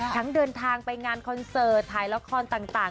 เดินทางไปงานคอนเสิร์ตถ่ายละครต่าง